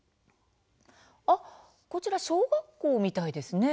こちら小学校みたいですね。